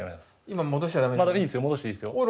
今戻しちゃダメですよね？